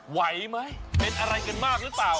ไหวไหมเป็นอะไรกันมากหรือเปล่า